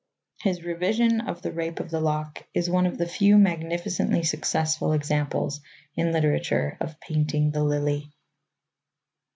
His revision of The Rape of the Lock is one of the few magnificently successful examples in literature of painting the lily.